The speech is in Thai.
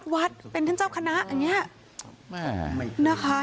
วัดเป็นทั้งเก้าขนาวขณะมันไม่คือไม่ควรนะคะ